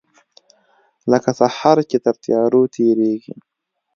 لکه سحر چې تر تیارو تیریږې